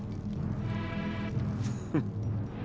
フッ。